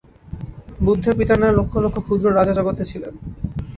বুদ্ধের পিতার ন্যায় লক্ষ লক্ষ ক্ষুদ্র রাজা জগতে ছিলেন।